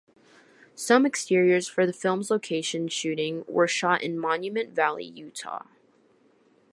Some exteriors for the film's location shooting were shot in Monument Valley, Utah.